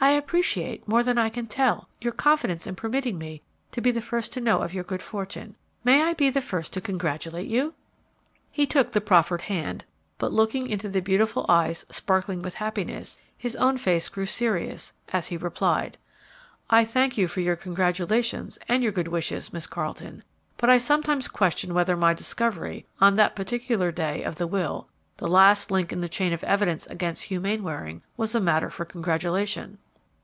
I appreciate, more than I can tell, your confidence in permitting me to be the first to know of your good fortune. May I be the first to congratulate you?" He took the proffered hand; but, looking into the beautiful eyes sparkling with happiness, his own face grew serious, as he replied, "I thank you for your congratulations and your good wishes, Miss Carleton, but I sometimes question whether my discovery, on that particular day, of the will the last link in the chain of evidence against Hugh Mainwaring was a matter for congratulation."